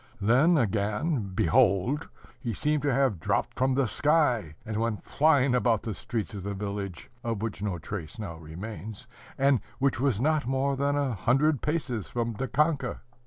Then, again, behold, he seemed to have dropped from the sky, and went flying about the streets of the village, of which no trace now remains, and which was not more than a hundred paces from Dikanka.